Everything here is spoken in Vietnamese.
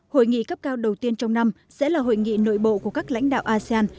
hội nghị cấp cao đầu tiên trong năm sẽ là hội nghị nội bộ của các lãnh đạo asean